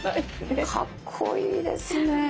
かっこいいですね。